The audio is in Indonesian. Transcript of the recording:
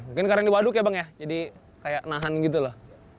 mungkin karena ini waduk ya bang ya jadi kayak nahan gitu loh